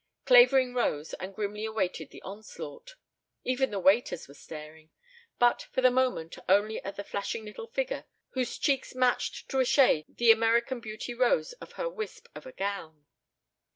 Clavering rose and grimly awaited the onslaught. Even the waiters were staring, but for the moment only at the flashing little figure whose cheeks matched to a shade the American Beauty rose of her wisp of a gown.